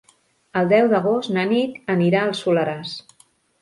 El deu d'agost na Nit anirà al Soleràs.